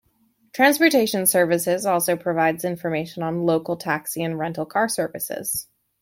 Transportation Services also provides information on local taxi and rental car services.